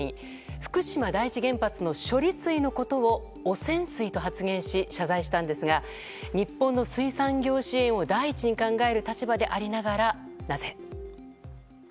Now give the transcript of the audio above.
福島第一原発の処理水のことを汚染水と発言し謝罪したんですが日本の水産業支援を第一に考える立場でありながらなぜ。